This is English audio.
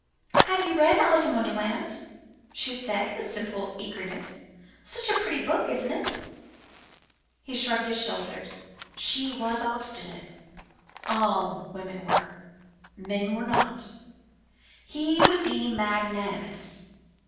have you read Alice in Wonderland?" she said, with simple eagerness. "Such a pretty book, isn't it?" He shrugged his shoulders. She was obstinate; all women were. Men were not. He would be magnanimous.